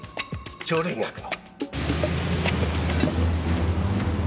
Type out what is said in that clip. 鳥類学の。